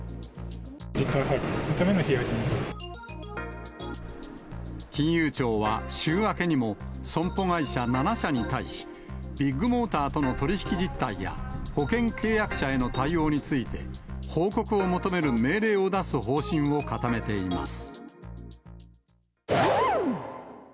実態把握、そのためのヒアリ金融庁は、週明けにも損保会社７社に対し、ビッグモーターとの取り引き実態や、保険契約者への対応について、報告を求める命令を出す方針を固めています。